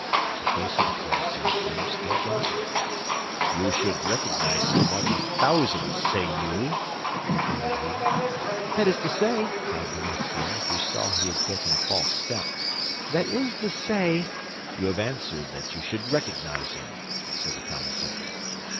The face of the commissary grew still darker. "You should recognize him among a thousand, say you?" continued he. "That is to say," cried Bonacieux, who saw he had taken a false step, "that is to say—" "You have answered that you should recognize him," said the commissary.